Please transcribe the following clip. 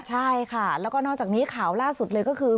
ใช่ค่ะแล้วก็นอกจากนี้ข่าวล่าสุดเลยก็คือ